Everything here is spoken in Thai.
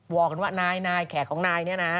วองกันว่านายแขกของนายนี่